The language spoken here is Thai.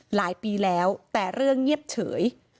หลายปีแล้วแต่เรื่องเงียบเฉย